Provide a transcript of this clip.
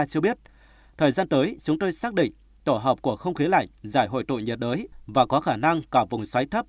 cho biết thời gian tới chúng tôi xác định tổ hợp của không khí lạnh giải hội tụ nhiệt đới và có khả năng cả vùng xoáy thấp